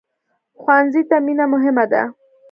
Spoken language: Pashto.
ښوونځی ته مینه مهمه ده